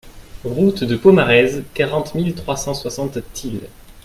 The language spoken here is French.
Route de Pomarez, quarante mille trois cent soixante Tilh